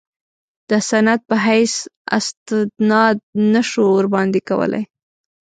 د سند په حیث استناد نه شو ورباندې کولای.